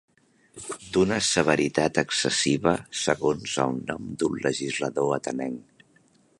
D'una severitat excessiva, segons el nom d'un legislador atenenc.